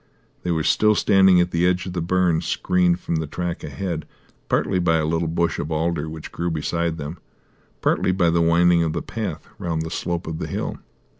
They were still standing at the edge of the burn, screened from the track ahead, partly by a little bush of alder which grew beside them, partly by the winding of the path round the slope of the hill.